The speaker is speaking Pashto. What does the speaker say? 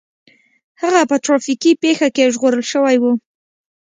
هغه په ټرافيکي پېښه کې ژغورل شوی و